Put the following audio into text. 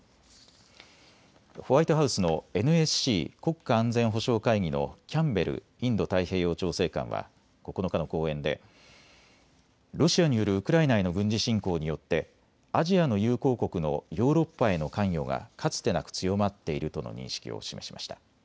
ホワイトハウスのＮＳＣ・国家安全保障会議のキャンベルインド太平洋調整官は９日の講演でロシアによるウクライナへの軍事侵攻によってアジアの友好国のヨーロッパへの関与がかつてなく強まっているとの認識を示しました。